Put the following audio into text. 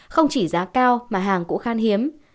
không chỉ giá cao mà hàng cũng khăn hiếm